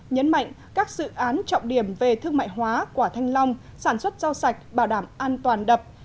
nhấn mạnh các dự án trọng điểm về thương mại hóa quả thanh long sản xuất rau sạch bảo đảm an toàn đập